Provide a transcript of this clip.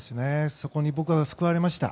そこに僕は救われました。